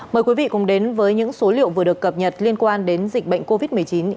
mời quý vị cùng đến với những số liệu vừa được cập nhật liên quan đến dịch bệnh covid một mươi chín